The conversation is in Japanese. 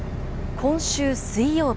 今週水曜日。